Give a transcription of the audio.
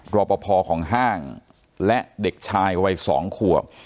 รอปภของห้างและเด็กชายวัย๒ขวบ